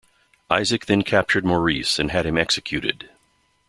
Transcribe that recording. Isaac then captured Maurice and had him executed.